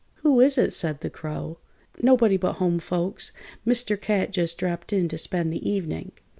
"Who is it?" said the Crow. "Nobody but home folks. Mr. Cat just dropped in to spend the evening."